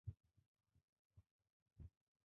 না, এসব বাস্তব না।